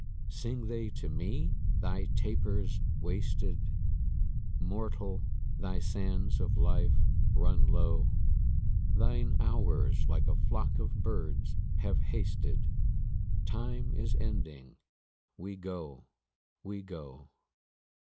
Sing they to me? 'Thy taper's wasted; Mortal, thy sands of life run low; Thine hours like a flock of birds have hasted: Time is ending; we go, we go.'